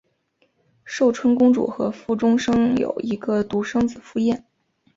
寿春公主和傅忠生有一个独生子傅彦。